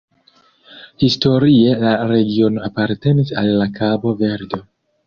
Historie la regiono apartenis al la Kabo-Verdo.